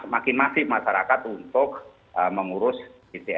makin masih masyarakat untuk mengurus bpjs